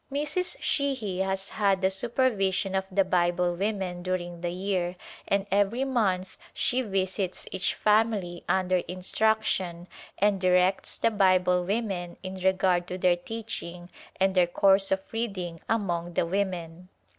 Mrs. Sheahy has had the supervision of the Bible women during the year and every month she visits each family under instruction and directs the Bible women in regard to their teaching and their course of reading among the women.